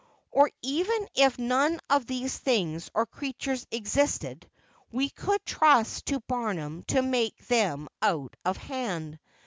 Or even if none of these things or creatures existed, we could trust to Barnum to make them out of hand.